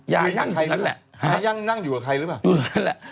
ยายนั่งอยู่ตรงนั้นแหละยังนั่งอยู่กับใครหรือเปล่าอยู่ตรงนั้นแหละ